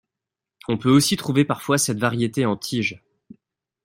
On peut aussi trouver parfois cette variété en tige.